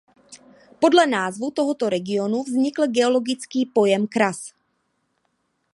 Podle názvu tohoto regionu vznikl geologický pojem kras.